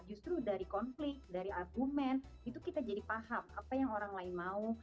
justru dari konflik dari argumen itu kita jadi paham apa yang orang lain mau